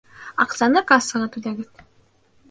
Аҡсаны кассаға түләгеҙ.